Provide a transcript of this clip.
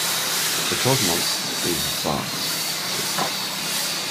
The cosmos is vast.